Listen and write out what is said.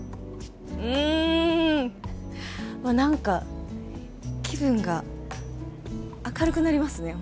うん何か気分が明るくなりますね